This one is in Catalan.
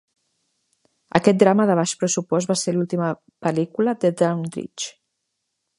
Aquest drama de baix pressupost va ser l'última pel·lícula de Dandridge.